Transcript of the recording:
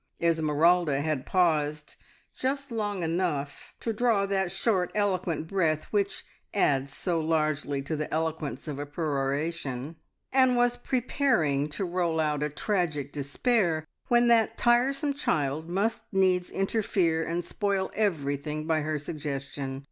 Esmeralda had paused just long enough to draw that short eloquent breath which adds so largely to the eloquence of a peroration, and was preparing to roll out a tragic "despair," when that tiresome child must needs interfere and spoil everything by her suggestion.